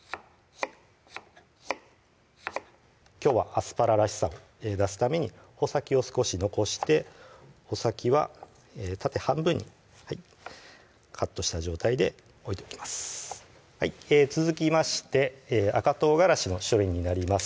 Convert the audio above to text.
きょうはアスパラらしさを出すために穂先を少し残して穂先は縦半分にカットした状態で置いておきます続きまして赤唐辛子の処理になります